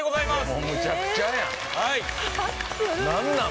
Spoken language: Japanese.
もうむちゃくちゃやん。